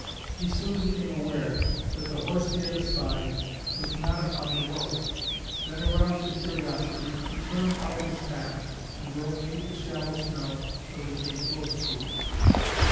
He soon became aware that the horse he had espied was not upon the road. Then, aroused to curiosity, he turned out of his path and rode through shallow snow till he came close to it.